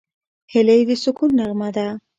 هیلۍ د سکون نغمه ده